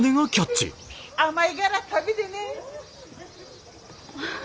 甘いがら食べでね。